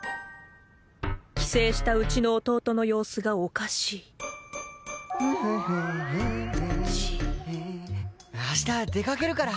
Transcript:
帰省したうちの弟の様子がおかしい「フフフンフフン」明日出かけるから。